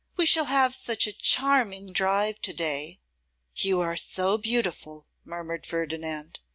We shall have such a charming drive to day.' 'You are so beautiful!' murmured Ferdinand.